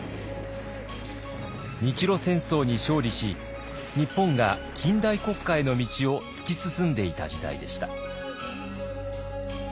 日露戦争に勝利し日本が近代国家への道を突き進んでいた時代でした。